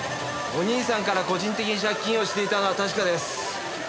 お義兄さんから個人的に借金をしていたのは確かです。